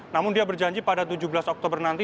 namun dia berjanji pada tujuh belas oktober nanti